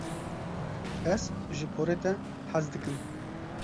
Ez ji porê te hez dikim.